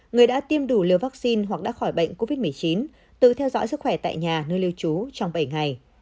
người đã tiêm đủ liều vaccine hoặc đã khỏi bệnh covid một mươi chín tự theo dõi sức khỏe tại nhà nơi lưu trú trong bảy ngày